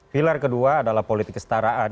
pilar kedua adalah politik kestaraan